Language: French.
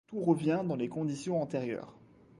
Tout revient dans les conditions antérieures.